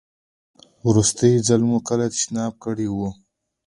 وروستی ځل مو کله تشناب کړی و؟